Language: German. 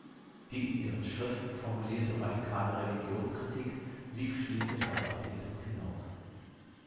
Die in ihren Schriften formulierte radikale Religionskritik lief schließlich auf Atheismus hinaus.